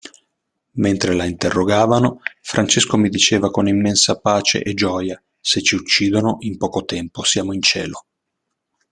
Mentre la interrogavano, Francesco mi diceva con immensa pace e gioia: "Se ci uccidono, in poco tempo siamo in Cielo!".